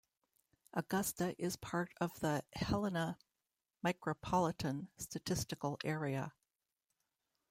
Augusta is part of the Helena Micropolitan Statistical Area.